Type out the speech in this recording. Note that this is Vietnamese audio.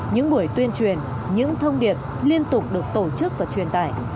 những buổi tuyên truyền những thông điệp liên tục được tổ chức và truyền tải